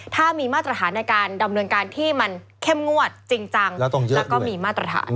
ถ้ามีมาตรฐานในการดำเนินการที่มันเข้มงวดจริงจังแล้วก็มีมาตรฐาน